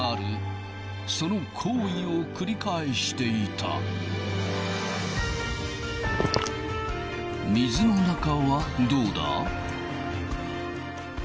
その行為を繰り返していた水の中はどうだ？